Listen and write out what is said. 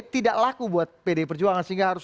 tidak laku buat pdi perjuangan sehingga harus